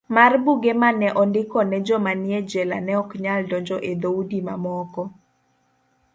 mar Buge ma ne ondikone jomane nie jela neoknyal donjo e dhoudi mamoko.